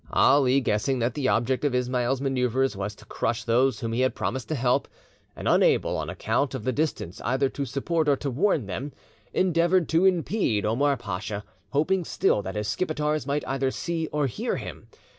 Ali, guessing that the object of Ismail's manoeuvres was to crush those whom he had promised to help, and unable, on account of the distance, either to support or to warn them, endeavoured to impede Omar Pasha, hoping still that his Skipetars might either see or hear him.